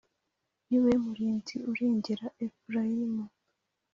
ni we murinzi urengera Efurayimu;